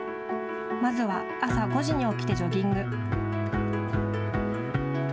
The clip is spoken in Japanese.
まずは朝５時に起きてジョギング。